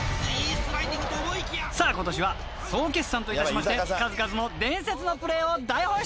［さあことしは総決算といたしまして数々の伝説のプレーを大放出！］